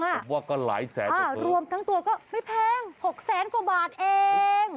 รวมทั้งตัวก็ไม่แพง๖แสนกว่าบาทเอง